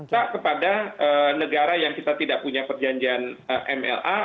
kita kepada negara yang kita tidak punya perjanjian mla